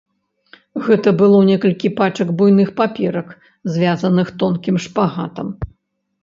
Гэта было некалькі пачак буйных паперак, звязаных тонкім шпагатам.